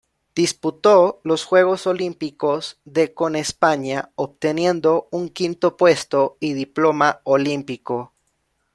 Disputó los Juegos Olímpicos de con España, obteniendo un quinto puesto y diploma olímpico.